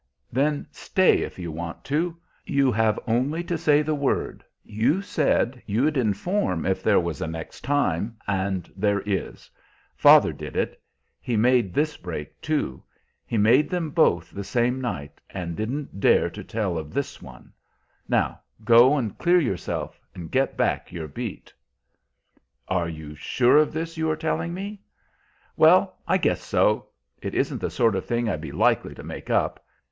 "Then stay, if you want to. You have only to say the word. You said you'd inform if there was a next time, and there is. Father did it. He made this break, too; he made them both the same night, and didn't dare to tell of this one. Now, go and clear yourself and get back your beat." "Are you sure of this you are telling me?" "Well, I guess so. It isn't the sort of thing I'd be likely to make up.